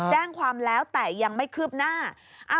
แจ้งความแล้วแต่ยังไม่คืบหน้า